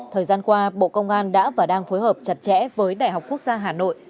thời gian qua bộ công an đã và đang phối hợp chặt chẽ với đại học quốc gia hà nội